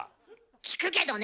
聞くけどね！